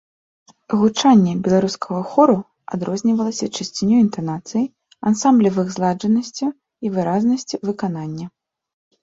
Гучанне беларускага хору адрознівалася чысцінёй інтанацыі, ансамблевых зладжанасцю і выразнасцю выканання.